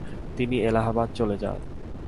তিনি এলাহাবাদ চলে যান।